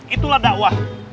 itulah dakwah ya